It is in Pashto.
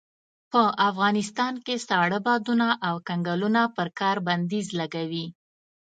په افغانستان کې ساړه بادونه او کنګلونه پر کار بنديز لګوي.